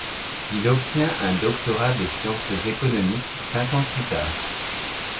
Il obtient un doctorat de sciences économiques cinq ans plus tard.